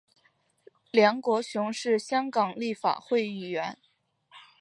梁国雄是香港立法会议员。